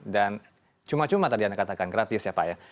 dan cuma cuma tadi anda katakan gratis ya pak ya